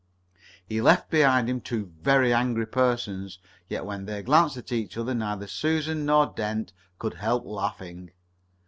He left behind him two very angry persons, yet when they glanced at each other neither Susan nor Dent could help laughing.